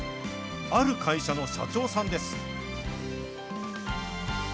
ある会社の社長さんです。